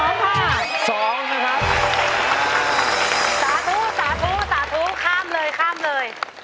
สาธุสาธุสาธุข้ามเลยข้ามเลย